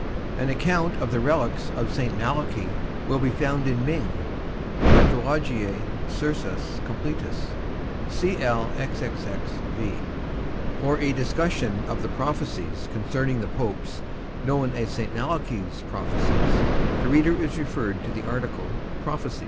An account of the relics of St. Malachy will be found in Migne, Patrologiae cursus completus, CLXXXV. For a discussion of the prophecies concerning the popes, known as St. Malachy's Prophecies, the reader is referred to the article PROPHECIES.